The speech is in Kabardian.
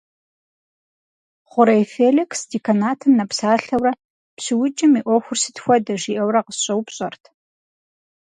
Хъурей Феликс деканатым нэпсалъэурэ, «ПщыукӀым и Ӏуэхур сыт хуэдэ?» жиӏэурэ къысщӏэупщӏэрт.